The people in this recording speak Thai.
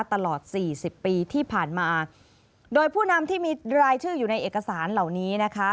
ตลอดสี่สิบปีที่ผ่านมาโดยผู้นำที่มีรายชื่ออยู่ในเอกสารเหล่านี้นะคะ